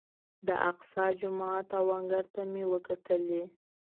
د اقصی جومات او انګړ ته مې وکتلې.